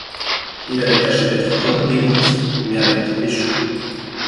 Il avait tâché d’être homme d’église, mais avait échoué.